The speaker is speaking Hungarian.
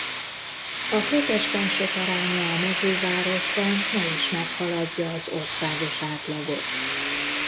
A protestánsok aránya a mezővárosban ma is meghaladja az országos átlagot.